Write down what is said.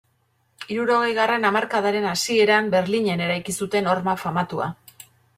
Hirurogeigarren hamarkadaren hasieran Berlinen eraiki zuten horma famatua.